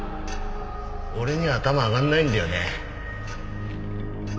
俺には頭上がらないんだよね。